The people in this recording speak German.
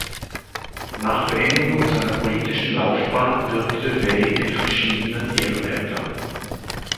Nach Beendigung seiner politischen Laufbahn wirkte Vey in verschiedenen Ehrenämtern.